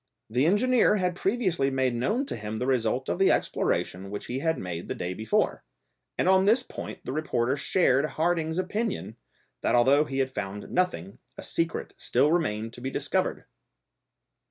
The engineer had previously made known to him the result of the exploration which he had made the day before, and on this point the reporter shared Harding's opinion, that although he had found nothing, a secret still remained to be discovered!